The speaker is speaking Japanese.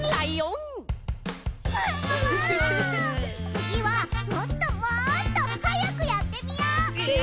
つぎはもっともっとはやくやってみよ！え！？